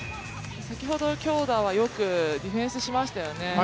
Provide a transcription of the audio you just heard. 先ほどの強打はよくディフェンスしましたよね。